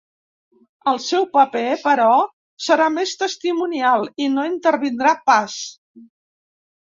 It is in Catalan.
El seu paper, però, serà més testimonial i no intervindrà pas.